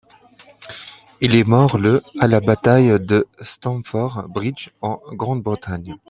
Il est mort le à la bataille de Stamford Bridge, en Grande-Bretagne.